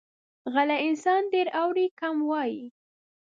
غلی انسان، ډېر اوري، کم وایي.